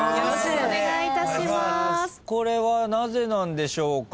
これはなぜなんでしょうか？